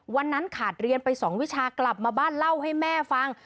วันนั้นขาดเรียนไป๒วิชากลับมาบ้านเล่าให้แม่ฟัง